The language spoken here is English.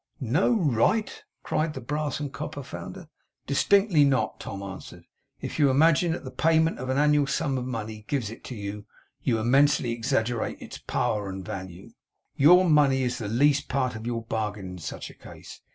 'No right!' cried the brass and copper founder. 'Distinctly not,' Tom answered. 'If you imagine that the payment of an annual sum of money gives it to you, you immensely exaggerate its power and value. Your money is the least part of your bargain in such a case.